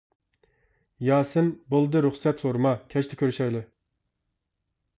-ياسىن، بولدى رۇخسەت سورىما، كەچتە كۆرۈشەيلى.